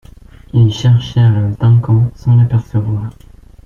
Ils cherchèrent le Duncan, sans l’apercevoir.